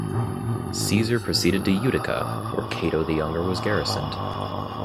Caesar proceeded to Utica, where Cato the Younger was garrisoned.